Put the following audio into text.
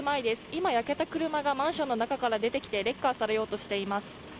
今、焼けた車がマンションの中から出てきてレッカーされようとしています。